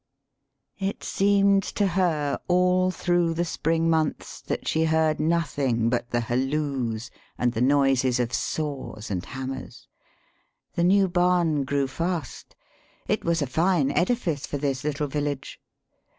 It seemed to her all through the spring months that she heard nothing but the halloos and the noises of saws and hammers. The new barn grew fast. It was a fine edifice for this little village.